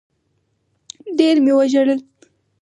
ډېر مي وژړل